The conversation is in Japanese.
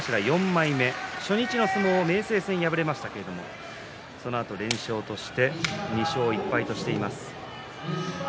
東の前頭４枚目で初日の相撲明生戦、敗れましたがそのあと連勝して２勝１敗としています。